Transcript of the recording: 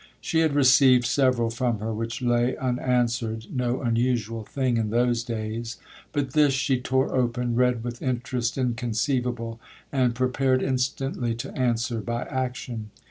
She had received several from her which lay unanswered, (no unusual thing in those days), but this she tore open, read with interest inconceivable, and prepared instantly to answer by action.